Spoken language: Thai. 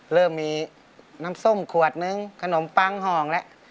เริ่มมีน้ำส้มขวดนึงขนมปังห่องแล้ว